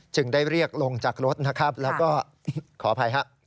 ได้เรียกลงจากรถนะครับแล้วก็ขออภัยฮะ